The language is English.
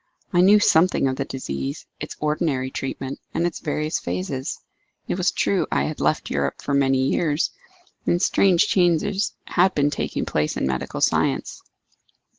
I knew something of the disease, its ordinary treatment, and its various phases. It was true I had left Europe for many years, and strange changes had been taking place in medical science.